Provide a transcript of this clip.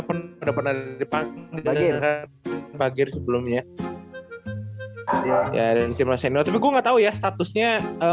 pun udah pernah dipakai bagian pagi sebelumnya dan timnya saya juga nggak tahu ya statusnya